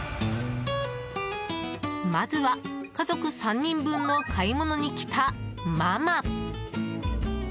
まずは家族３人分の買い物に来たママ。